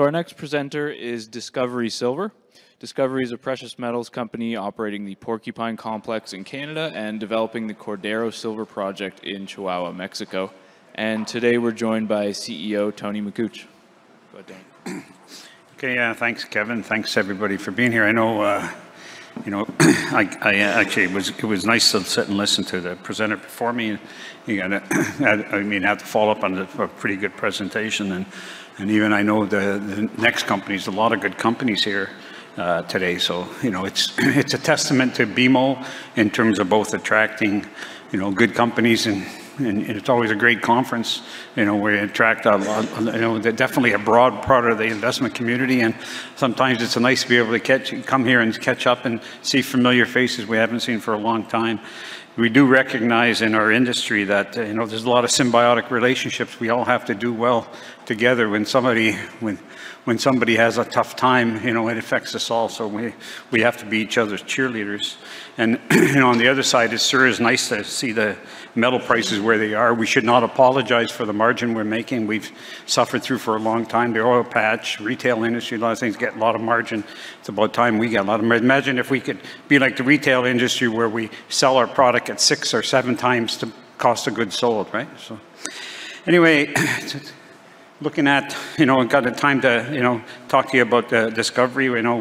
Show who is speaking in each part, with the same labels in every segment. Speaker 1: Our next presenter is Discovery Silver. Discovery is a precious metals company operating the Porcupine complex in Canada and developing the Cordero Silver project in Chihuahua, Mexico. Today we're joined by CEO Tony Makuch. Go ahead, Tony.
Speaker 2: Okay, yeah, thanks, Kevin. Thanks, everybody, for being here. I know, you know, I actually it was nice to sit and listen to the presenter before me, and, I mean, have to follow up on a pretty good presentation. Even I know the next companies, a lot of good companies here today. You know, it's a testament to BMO in terms of both attracting, you know, good companies, and it's always a great conference. You know, we attract a lot. You know, definitely a broad part of the investment community, and sometimes it's nice to be able to come here and catch up and see familiar faces we haven't seen for a long time. We do recognize in our industry that, you know, there's a lot of symbiotic relationships. We all have to do well together. When somebody, when somebody has a tough time, you know, it affects us all, so we have to be each other's cheerleaders. You know, on the other side, it sure is nice to see the metal prices where they are. We should not apologize for the margin we're making. We've suffered through for a long time. The oil patch, retail industry, a lot of things get a lot of margin. It's about time we get a lot of margin. Imagine if we could be like the retail industry, where we sell our product at six or seven times the cost of goods sold, right? Anyway, looking at, you know, and got the time to, you know, talk to you about Discovery. We know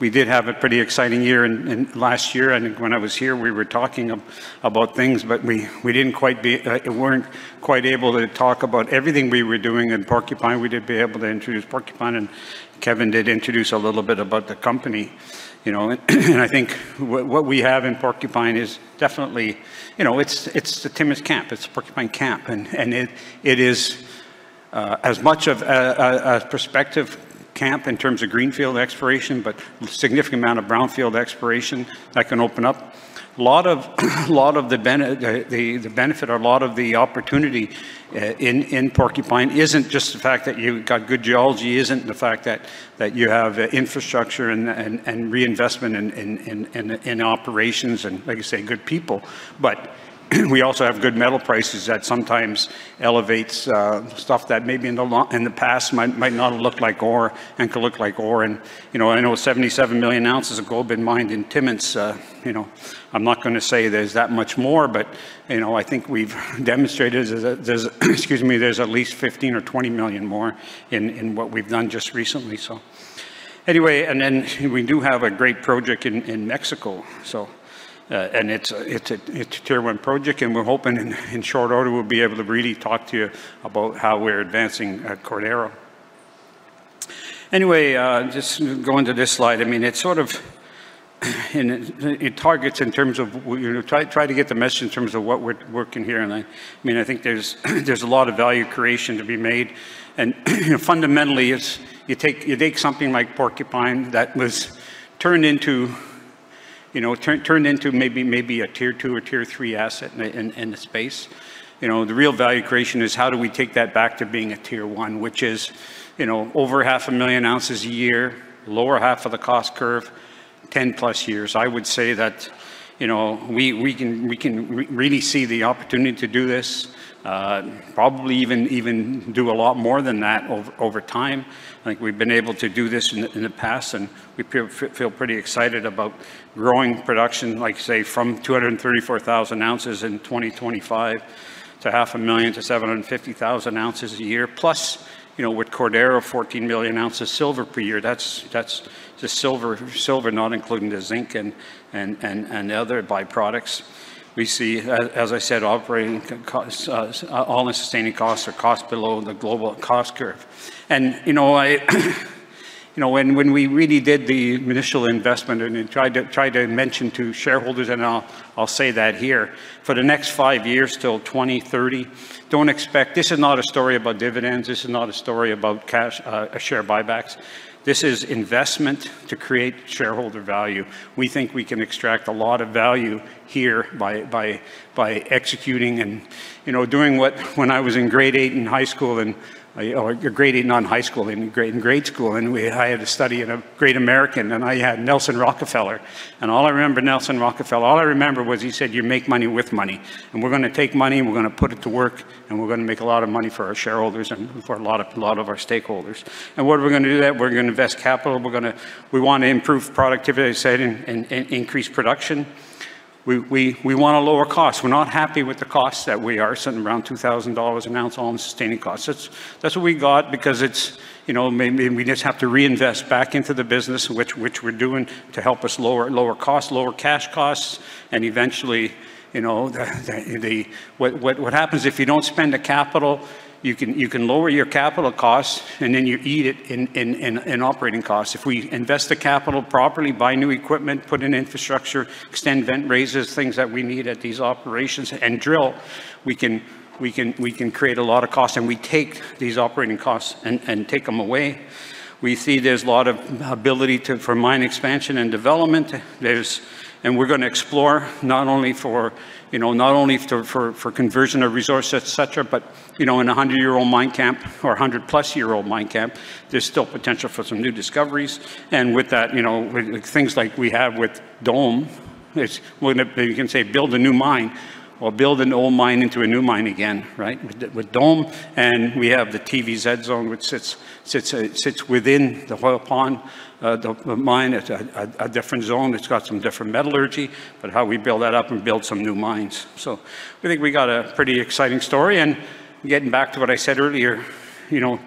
Speaker 2: we did have a pretty exciting year in... Last year, I think when I was here, we were talking about things, but we weren't quite able to talk about everything we were doing in Porcupine. We did be able to introduce Porcupine, Kevin did introduce a little bit about the company, you know. I think what we have in Porcupine is definitely, you know, it's the Timmins camp. It's the Porcupine camp, and it is as much of a prospective camp in terms of greenfield exploration, a significant amount of brownfield exploration that can open up. A lot of the benefit or a lot of the opportunity in Porcupine isn't just the fact that you've got good geology, isn't the fact that you have infrastructure and reinvestment in operations and, like I say, good people. We also have good metal prices that sometimes elevates stuff that maybe in the past might not have looked like ore and could look like ore. You know, I know 77 million ounces of gold been mined in Timmins. You know, I'm not gonna say there's that much more, but, you know, I think we've demonstrated that there's, excuse me, there's at least 15 or 20 million more in what we've done just recently. We do have a great project in Mexico, so. It's a tier one project, and we're hoping in short order, we'll be able to really talk to you about how we're advancing Cordero. Just going to this slide, it sort of, and it targets in terms of... We try to get the message in terms of what we're working here, I think there's a lot of value creation to be made. Fundamentally, it's you take something like Porcupine that was turned into maybe a tier two or tier three asset in a, in the space. You know, the real value creation is how do we take that back to being a tier one, which is, you know, over half a million ounces a year, lower half of the cost curve, 10+ years? I would say that, you know, we can really see the opportunity to do this, probably even do a lot more than that over time. I think we've been able to do this in the past, and we feel pretty excited about growing production, like, say, from 234,000 ounces in 2025 to half a million to 750,000 ounces a year. Plus, you know, with Cordero, 14 million ounces silver per year, that's just silver, not including the zinc and the other byproducts. We see, as I said, operating cost, all-in sustaining costs are costs below the global cost curve. You know, when we really did the initial investment and then tried to mention to shareholders, I'll say that here, for the next five years till 2030, don't expect. This is not a story about dividends. This is not a story about cash, share buybacks. This is investment to create shareholder value. We think we can extract a lot of value here by executing and, you know, doing what. When I was in grade eight in high school, or grade eight, not in high school, in grade school, and we, I had to study in a great American, and I had Nelson Rockefeller, all I remember Nelson Rockefeller was he said, "You make money with money." We're gonna take money, and we're gonna put it to work, and we're gonna make a lot of money for our shareholders and for a lot of our stakeholders. What are we gonna do with that? We're gonna invest capital. We want to improve productivity, as I said, and increase production. We wanna lower costs. We're not happy with the costs that we are sitting around $2,000 an ounce on sustaining costs. That's what we got because it's, you know, maybe we just have to reinvest back into the business, which we're doing to help us lower costs, lower cash costs. Eventually, you know, what happens if you don't spend the capital, you can lower your capital costs, and then you eat it in operating costs. If we invest the capital properly, buy new equipment, put in infrastructure, extend vent raises, things that we need at these operations, and drill, we can create a lot of cost, and we take these operating costs and take them away. We see there's a lot of ability for mine expansion and development. We're gonna explore not only for, you know, not only for conversion of resources, et cetera, but, you know, in a 100-year-old mine camp or a 100+ year-old mine camp, there's still potential for some new discoveries. With that, you know, with things like we have with Dome, it's when you can say, build a new mine or build an old mine into a new mine again, right? With Dome, and we have the TVZ zone, which sits within the Hoyle Pond, the mine. It's a different zone. It's got some different metallurgy, but how we build that up and build some new mines. We think we got a pretty exciting story, and getting back to what I said earlier, you know,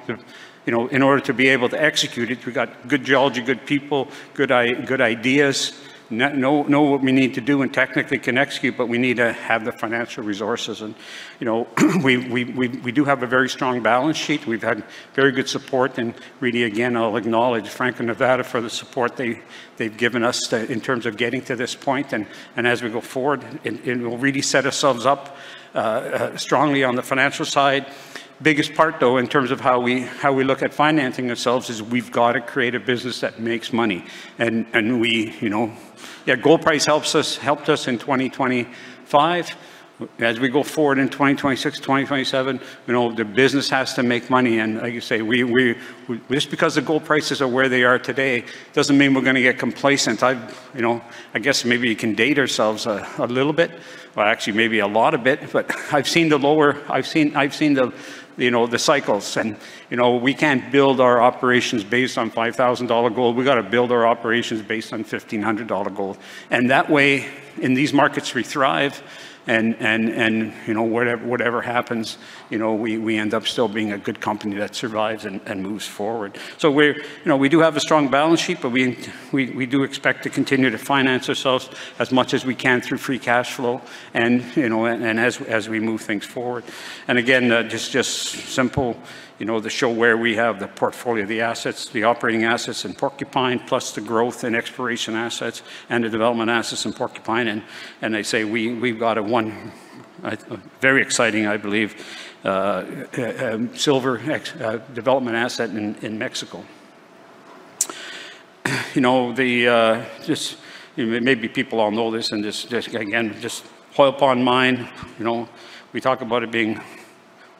Speaker 2: in order to be able to execute it, we've got good geology, good people, good ideas, know what we need to do and technically can execute, but we need to have the financial resources. You know, we do have a very strong balance sheet. We've had very good support, and really, again, I'll acknowledge Franco-Nevada for the support they've given us in terms of getting to this point. As we go forward, it will really set ourselves up strongly on the financial side. Biggest part, though, in terms of how we, how we look at financing ourselves, is we've got to create a business that makes money. We, you know... Yeah, gold price helps us, helped us in 2025. As we go forward in 2026, 2027, you know, the business has to make money, and like you say, we just because the gold prices are where they are today, doesn't mean we're gonna get complacent. I've. You know, I guess maybe you can date ourselves a little bit, or actually maybe a lot a bit, but I've seen the lower, I've seen the, you know, the cycles. You know, we can't build our operations based on $5,000 gold. We've gotta build our operations based on $1,500 gold. That way, in these markets, we thrive and, you know, whatever happens, you know, we end up still being a good company that survives and moves forward. We're, you know, we do have a strong balance sheet, but we do expect to continue to finance ourselves as much as we can through free cash flow and, you know, and as we move things forward. Again, just simple, you know, to show where we have the portfolio, the assets, the operating assets in Porcupine, plus the growth in exploration assets and the development assets in Porcupine, I say we've got a one, very exciting, I believe, silver development asset in Mexico. You know, just, maybe people all know this, and just again, Hoyle Pond mine, you know, we talk about it being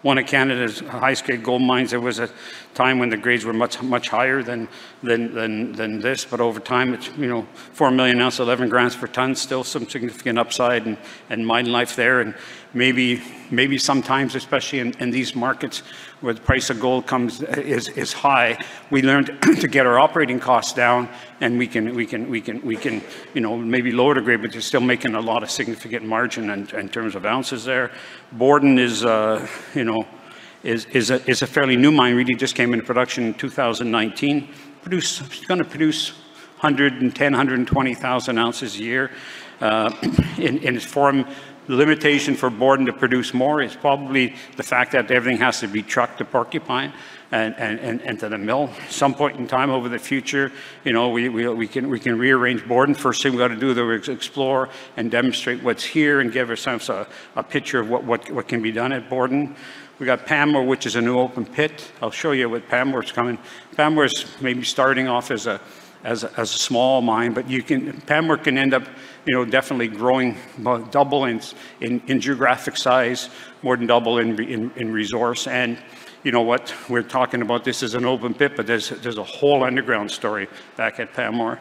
Speaker 2: one of Canada's high-grade gold mines. There was a time when the grades were much, much higher than this, but over time, it's, you know, 4 million ounces, 11 grams per ton, still some significant upside and mine life there. Maybe sometimes, especially in these markets, where the price of gold comes, is high, we learned to get our operating costs down, and we can, you know, maybe lower the grade, but you're still making a lot of significant margin in terms of ounces there. Borden is, you know, is a fairly new mine, really just came into production in 2019. It's gonna produce 110,000-120,000 ounces a year. The limitation for Borden to produce more is probably the fact that everything has to be trucked to Porcupine and to the mill. Some point in time over the future, you know, we can rearrange Borden. First thing we've got to do, though, is explore and demonstrate what's here and give ourselves a picture of what can be done at Borden. We've got Pamour, which is a new open pit. I'll show you what Pamour's coming. Pamour's maybe starting off as a small mine, Pamour can end up, you know, definitely growing by double in geographic size, more than double in resource. You know what? We're talking about this as an open pit, but there's a whole underground story back at Pamour.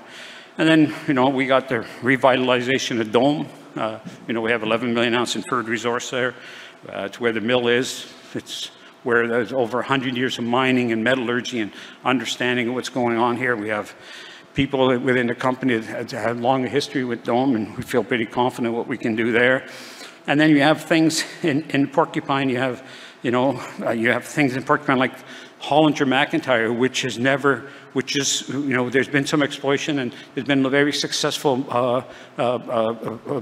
Speaker 2: You know, we got the revitalization of Dome. You know, we have 11 million ounces inferred resource there. It's where the mill is. It's where there's over 100 years of mining and metallurgy and understanding of what's going on here. We have people within the company that has had a long history with Dome, and we feel pretty confident what we can do there. You have things in Porcupine. You have, you know, you have things in Porcupine like Hollinger-McIntyre, which is, you know, there's been some exploration, and there's been very successful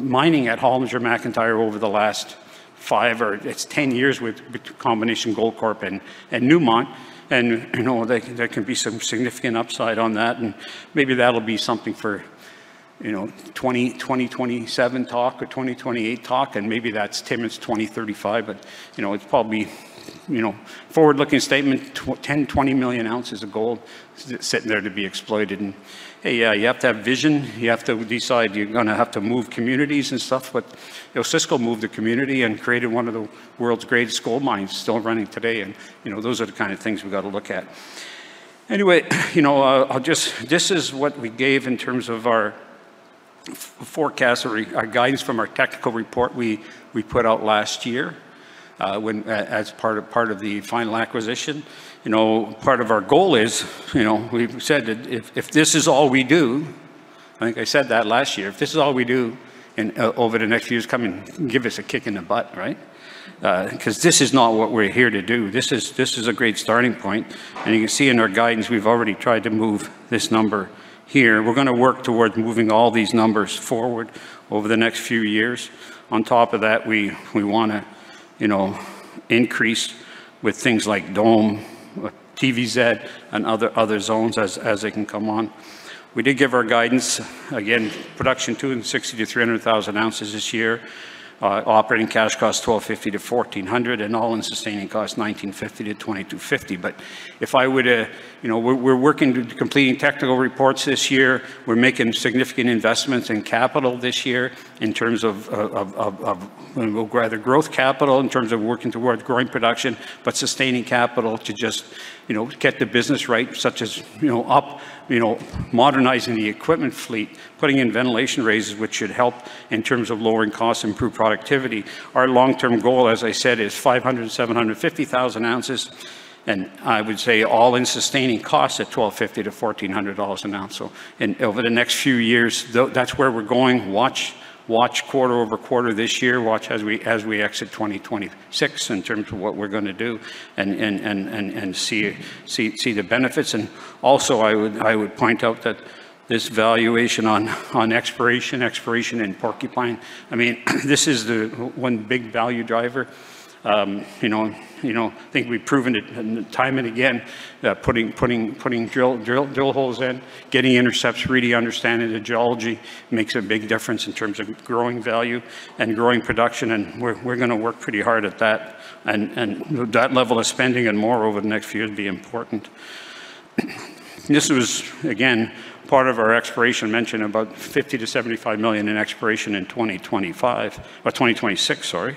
Speaker 2: mining at Hollinger-McIntyre over the last five or 10 years with combination Goldcorp and Newmont. You know, there can be some significant upside on that, and maybe that'll be something for, you know, 2027 talk or 2028 talk, maybe that's Timmins 2035. You know, it's probably, you know, forward-looking statement, 10-20 million ounces of gold sitting there to be exploited. Hey, yeah, you have to have vision. You have to decide you're gonna have to move communities and stuff, but, you know, Osisko moved the community and created one of the world's greatest gold mines still running today. You know, those are the kind of things we've got to look at. Anyway, you know, this is what we gave in terms of our forecast or our guidance from our tactical report we put out last year as part of the final acquisition. You know, part of our goal is, you know, we've said that if this is all we do, I think I said that last year, if this is all we do in over the next few years, come and give us a kick in the butt, right? 'Cause this is not what we're here to do. This is a great starting point. You can see in our guidance, we've already tried to move this number here. We're gonna work towards moving all these numbers forward over the next few years. On top of that, we wanna, you know, increase with things like Dome, TVZ, and other zones as they can come on. We did give our guidance, again, production 260,000-300,000 ounces this year, operating cash cost $1,250-$1,400, and all-in sustaining cost $1,950-$2,250. You know, we're working to completing technical reports this year. We're making significant investments in capital this year in terms of, well, rather growth capital, in terms of working towards growing production, but sustaining capital to just, you know, get the business right, such as, you know, modernizing the equipment fleet, putting in ventilation raises, which should help in terms of lowering costs, improve productivity. Our long-term goal, as I said, is 500,000-750,000 ounces, and I would say all-in sustaining costs at $1,250-$1,400 an ounce. Over the next few years, that's where we're going. Watch quarter-over-quarter this year. Watch as we exit 2026 in terms of what we're gonna do and see the benefits. I would point out that this valuation on exploration in Porcupine, I mean, this is the one big value driver. You know, I think we've proven it time and again, that putting drill holes in, getting intercepts, really understanding the geology makes a big difference in terms of growing value and growing production, and we're gonna work pretty hard at that. That level of spending and more over the next few years will be important. This was, again, part of our exploration mention, about $50 million-$75 million in exploration in 2025, or 2026, sorry.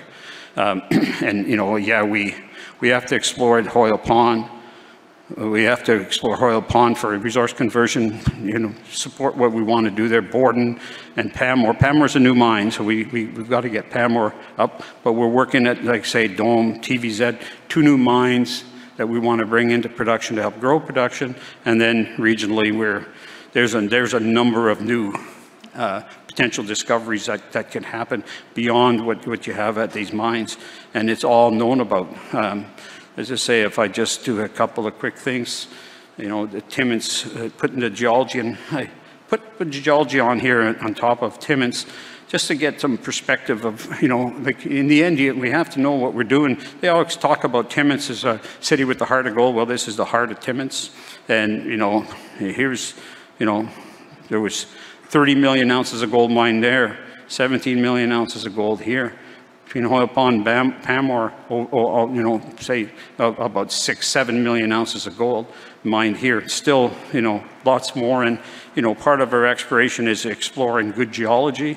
Speaker 2: You know, yeah, we have to explore at Hoyle Pond. We have to explore Hoyle Pond for a resource conversion, you know, support what we want to do there, Borden and Pamour. Pamour is a new mine, so we've got to get Pamour up, but we're working at, like, say, Dome, TVZ, two new mines that we wanna bring into production to help grow production. Regionally, where there's a number of new potential discoveries that can happen beyond what you have at these mines, and it's all known about. As I say, if I just do a couple of quick things, you know, the Timmins, putting the geology in... I put the geology on here on top of Timmins just to get some perspective of, you know, like, in the end, we have to know what we're doing. They always talk about Timmins as a city with the heart of gold. This is the heart of Timmins, and, you know, here's, you know, there was 30 million ounces of gold mined there, 17 million ounces of gold here. If you know, Hoyle Pond, Pamour, or, you know, say, about 6, 7 million ounces of gold mined here. You know, lots more, and, you know, part of our exploration is exploring good geology.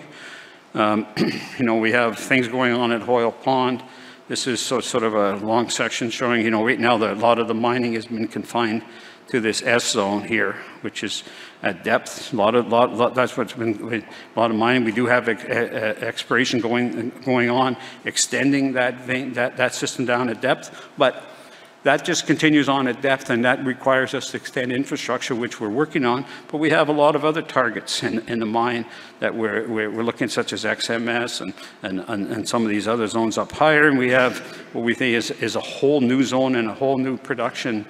Speaker 2: You know, we have things going on at Hoyle Pond. This is sort of a long section showing, you know, right now that a lot of the mining has been confined to this S Zone here, which is at depth. That's what's been a lot of mining. We do have exploration going on, extending that vein, that system down at depth, but that just continues on at depth, and that requires us to extend infrastructure, which we're working on. We have a lot of other targets in the mine that we're looking, such as XMS and some of these other zones up higher. We have what we think is a whole new zone and a whole new production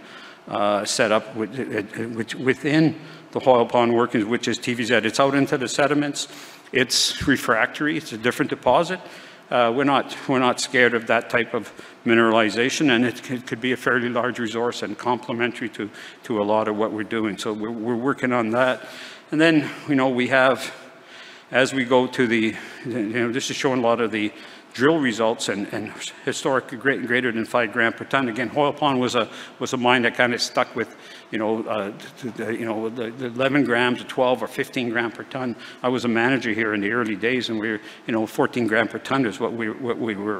Speaker 2: set up within the Hoyle Pond workers, which is TVZ. It's out into the sediments. It's refractory. It's a different deposit. We're not scared of that type of mineralization, and it could be a fairly large resource and complementary to a lot of what we're doing. We're working on that. You know, we have, as we go to the... You know, this is showing a lot of the drill results and historic, greater than 5 gram per ton. Hoyle Pond was a mine that kind of stuck with, you know, the 11 gram to 12 or 15 gram per ton. I was a manager here in the early days, and we're, you know, 14 gram per ton is what we were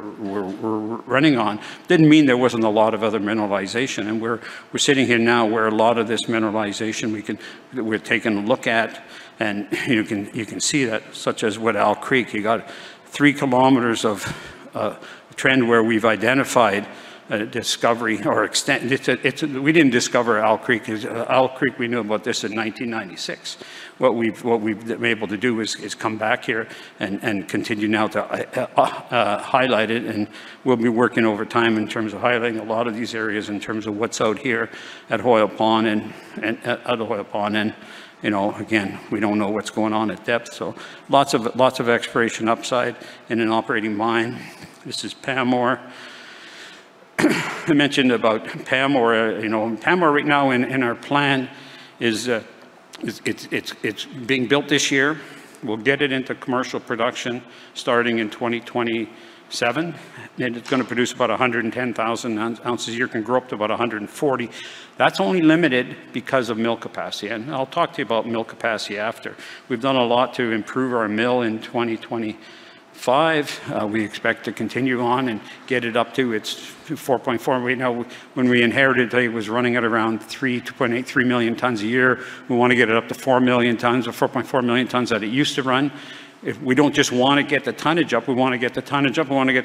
Speaker 2: running on. Didn't mean there wasn't a lot of other mineralization, and we're sitting here now where a lot of this mineralization, we've taken a look at, and you can see that, such as with Owl Creek. You got 3 kilometers of trend where we've identified a discovery or extent. It's a... We didn't discover Owl Creek. Owl Creek, we knew about this in 1996. What we've been able to do is come back here and continue now to highlight it, and we'll be working over time in terms of highlighting a lot of these areas, in terms of what's out here at Hoyle Pond and at Hoyle Pond. You know, again, we don't know what's going on at depth, so lots of exploration upside in an operating mine. This is Pamour. I mentioned about Pamour. You know, Pamour right now in our plan is being built this year. We'll get it into commercial production starting in 2027. It's gonna produce about 110,000 ounces a year, can grow up to about 140. That's only limited because of mill capacity. I'll talk to you about mill capacity after. We've done a lot to improve our mill in 2025. We expect to continue on and get it up to its 4.4. We know when we inherited, it was running at around 3, 2.8, 3 million tons a year. We wanna get it up to 4 million tons or 4.4 million tons that it used to run. We don't just wanna get the tonnage up, we wanna get the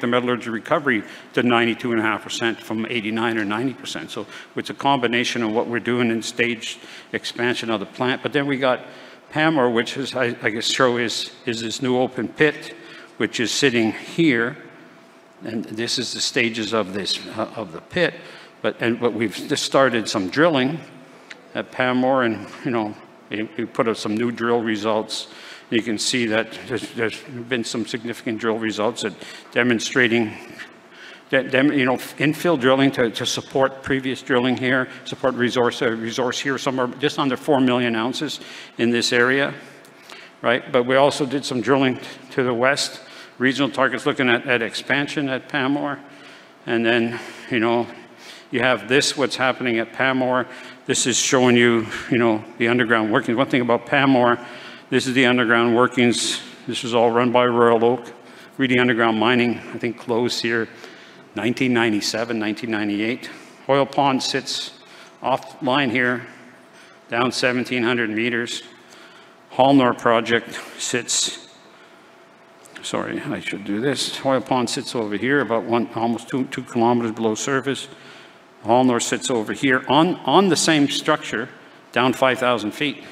Speaker 2: metallurgy recovery to 92.5% from 89% or 90%. It's a combination of what we're doing in stage expansion of the plant. We got Pamour, which is, I guess, show is this new open pit, which is sitting here, and this is the stages of this of the pit. We've just started some drilling at Pamour, and, you know, it put up some new drill results. You can see that there's been some significant drill results at demonstrating that, you know, infill drilling to support previous drilling here, support resource here, somewhere just under 4 million ounces in this area, right? We also did some drilling to the west. Regional targets looking at expansion at Pamour, you know, you have this, what's happening at Pamour. This is showing you know, the underground workings. One thing about Pamour, this is the underground workings. This was all run by Royal Oak. Really underground mining, I think, closed here 1997, 1998. Hoyle Pond sits off line here, down 1,700 meters. Hallnor Project. Sorry, I should do this. Hoyle Pond sits over here, about 1, almost 2 kilometers below surface. Hallnor sits over here on the same structure, down 5,000 feet,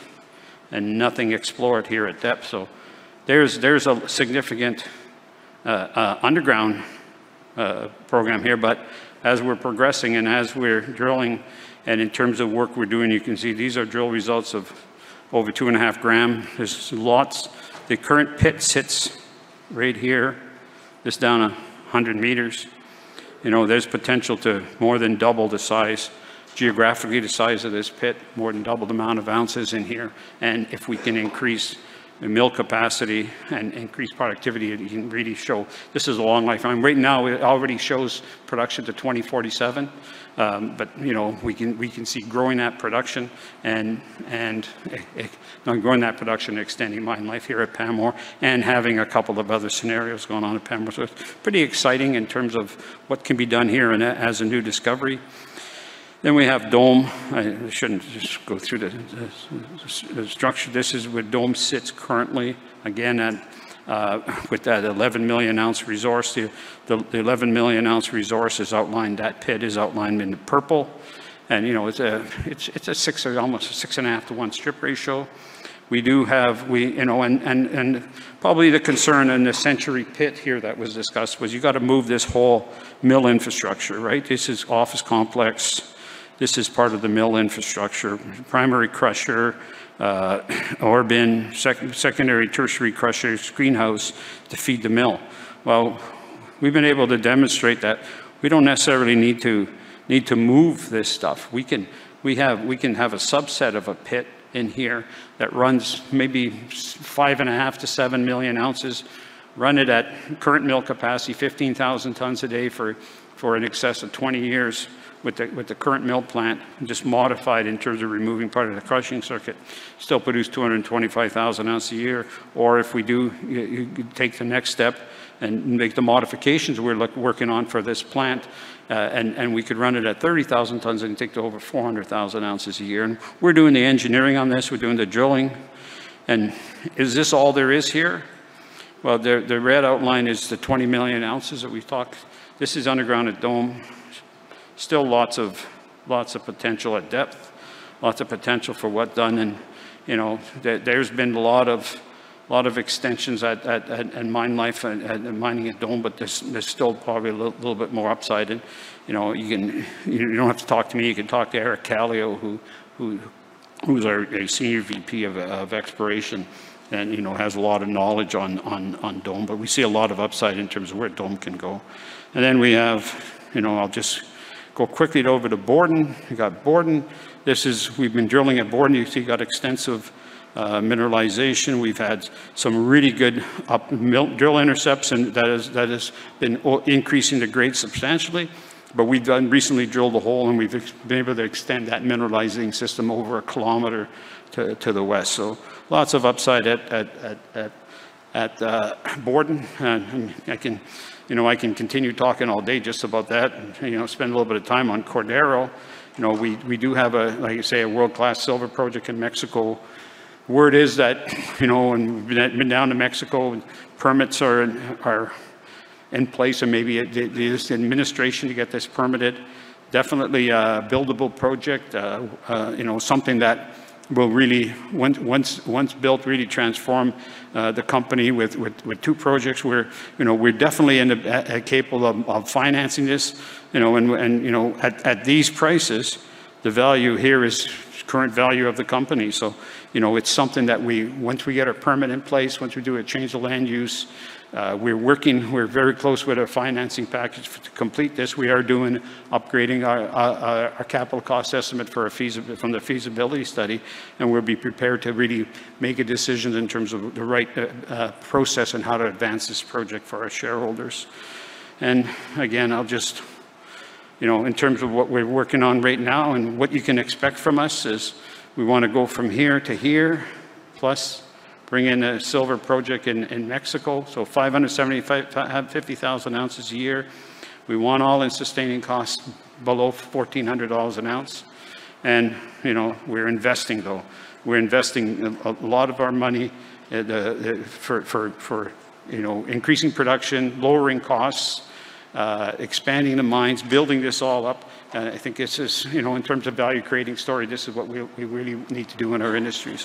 Speaker 2: and nothing explored here at depth. There's a significant underground program here. As we're progressing and as we're drilling, and in terms of work we're doing, you can see these are drill results of over 2.5 gram. There's lots. The current pit sits right here, just down 100 meters. You know, there's potential to more than double the size, geographically, the size of this pit, more than double the amount of ounces in here. If we can increase the mill capacity and increase productivity, it can really show this is a long life. Right now, it already shows production to 2047, you know, we can see growing that production and extending mine life here at Pamour, and having a couple of other scenarios going on at Pamour. It's pretty exciting in terms of what can be done here and as a new discovery. We have Dome. I shouldn't just go through the structure. This is where Dome sits currently, again, at, with that 11 million ounce resource. The 11 million ounce resource is outlined, that pit is outlined in the purple. You know, it's a 6 or almost a 6.5 to 1 strip ratio. We, you know, probably the concern in the Century Pit here that was discussed was you got to move this whole mill infrastructure, right? This is office complex. This is part of the mill infrastructure, primary crusher, ore bin, secondary, tertiary crusher, screen house to feed the mill. We've been able to demonstrate that we don't necessarily need to move this stuff. We can have a subset of a pit in here that runs maybe 5.5 million-7 million ounces, run it at current mill capacity, 15,000 tons a day, for in excess of 20 years with the current mill plant, just modified in terms of removing part of the crushing circuit, still produce 225,000 ounces a year. If we do, you take the next step and make the modifications we're working on for this plant, and we could run it at 30,000 tons and take it to over 400,000 ounces a year. We're doing the engineering on this, we're doing the drilling. Is this all there is here? Well, the red outline is the 20 million ounces that we've talked. This is underground at Dome. Still lots of potential at depth, lots of potential for what done, you know, there's been a lot of extensions at, in mine life and mining at Dome, but there's still probably a little bit more upside. You know, you don't have to talk to me. You can talk to Eric Kallio, who's our Senior VP of exploration and, you know, has a lot of knowledge on Dome. We see a lot of upside in terms of where Dome can go. We have, you know, I'll just go quickly over to Borden. We got Borden. We've been drilling at Borden. You see, we've got extensive mineralization. We've had some really good up mill drill intercepts, and that has been increasing the grade substantially. We've recently drilled a hole, and we've been able to extend that mineralizing system over a kilometer to the west. Lots of upside at Borden. I can, you know, I can continue talking all day just about that and, you know, spend a little bit of time on Cordero. You know, we do have a, like you say, a world-class silver project in Mexico. Word is that, you know, we've been down to Mexico, and permits are in place and maybe at the, this administration to get this permitted, definitely a buildable project, you know, something that will really once built, really transform the company with two projects. We're, you know, we're definitely in the... capable of financing this, you know, at these prices, the value here is current value of the company. You know, it's something that once we get a permit in place, once we do a change of land use, we're working very close with our financing package to complete this. We are doing, upgrading our capital cost estimate from the feasibility study, and we'll be prepared to really make a decision in terms of the right process on how to advance this project for our shareholders. Again, I'll... You know, in terms of what we're working on right now and what you can expect from us is we wanna go from here to here, plus bring in a silver project in Mexico, so 575,000 ounces a year. We want all-in sustaining costs below $1,400 an ounce. You know, we're investing, though. We're investing a lot of our money, for, you know, increasing production, lowering costs, expanding the mines, building this all up. I think this is, you know, in terms of value creating story, this is what we really need to do in our industry.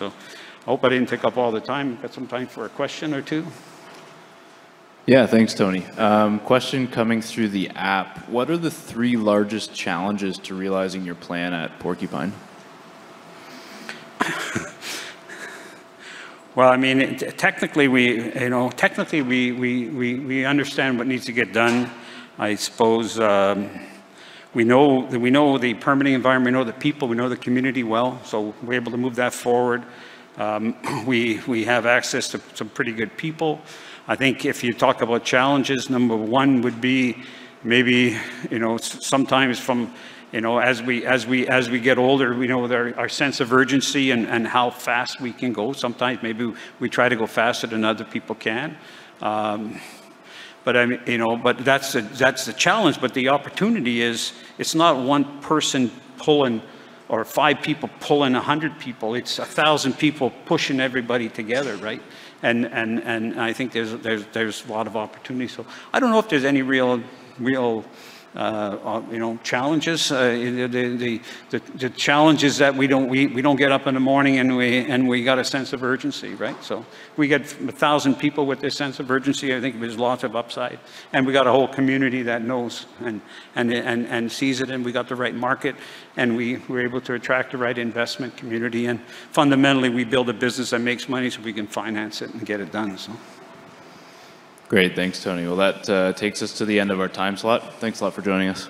Speaker 2: I hope I didn't take up all the time. Got some time for a question or two?
Speaker 1: Yeah. Thanks, Tony. Question coming through the app: What are the three largest challenges to realizing your plan at Porcupine?
Speaker 2: Well, I mean, technically, we, you know, technically, we understand what needs to get done. I suppose, we know the permitting environment, we know the people, we know the community well, so we're able to move that forward. We have access to some pretty good people. I think if you talk about challenges, number one would be maybe, you know, sometimes from, you know, as we get older, we know our sense of urgency and how fast we can go. Sometimes maybe we try to go faster than other people can. I mean, you know, that's the challenge. The opportunity is, it's not one person pulling or five people pulling 100 people, it's 1,000 people pushing everybody together, right? I think there's a lot of opportunity. I don't know if there's any real, you know, challenges. The challenge is that we don't get up in the morning and we got a sense of urgency, right? If we get 1,000 people with this sense of urgency, I think there's lots of upside. We got a whole community that knows and sees it, and we got the right market, and we're able to attract the right investment community. Fundamentally, we build a business that makes money, so we can finance it and get it done.
Speaker 1: Great. Thanks, Tony. Well, that takes us to the end of our time slot. Thanks a lot for joining us.